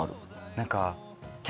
何か。